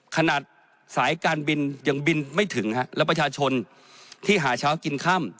ขนาดสายการบินยังบินไม่ถึงฮะแล้วประชาชนที่หาเช้ากินค่ำ